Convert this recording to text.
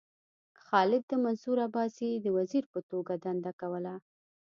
خالد د منصور عباسي د وزیر په توګه دنده کوله.